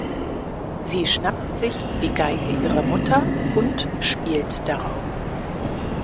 Sie schnappt sich die Geige ihrer Mutter und spielt darauf.